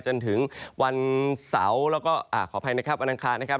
จนถึงวันเสาร์แล้วก็ขออภัยนะครับวันอังคารนะครับ